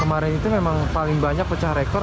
kemarin itu memang paling banyak pecah rekor